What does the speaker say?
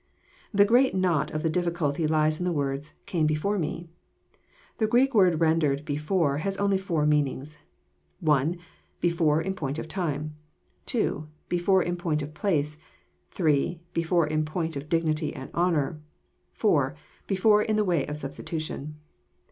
The great knot of the difficulty lies in the words, "came before Me." The Greek word rendered " before " has only four meanings : (1) before in point of time ; (2) before in point of place; (3) before in point of dignity and honour; (4) before in the way of substitution.